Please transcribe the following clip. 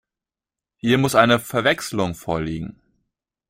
Hier muss eine Verwechslung vorliegen.